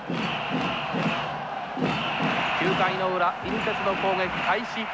９回の裏近鉄の攻撃開始。